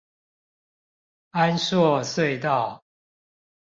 安朔隧道